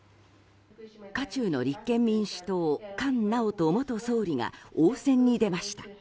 渦中の立憲民主党菅直人元総理が応戦に出ました。